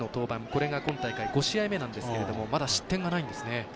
これが今大会５試合目ですがまだ失点がないんですね。